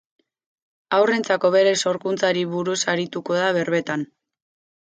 Haurrentzako bere sorkuntzari buruz arituko da berbetan.